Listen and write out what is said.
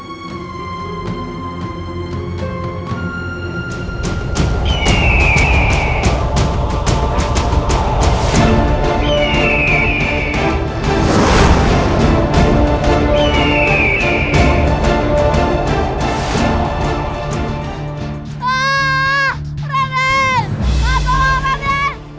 apa itu saudaraku